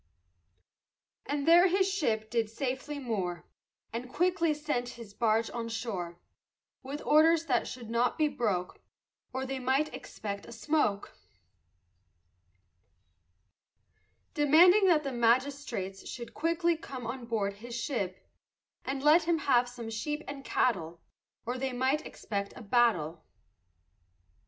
And there his ship did safely moor, And quickly sent his barge on shore, With orders that should not be broke, Or they might expect a smoke. Demanding that the magistrates Should quickly come on board his ship, And let him have some sheep and cattle, Or they might expect a battle.